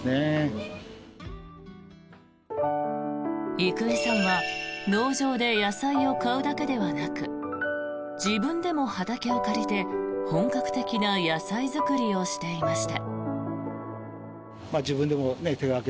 郁恵さんは農場で野菜を買うだけではなく自分でも畑を借りて本格的な野菜作りをしていました。